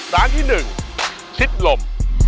ร้านที่๑ชิดลม